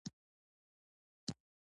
خلکو لیوه وواژه.